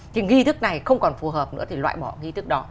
thì nghi thức này không còn phù hợp nữa thì loại bỏ nghi thức đó